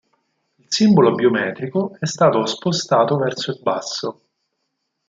Il simbolo biometrico è stato spostato verso il basso.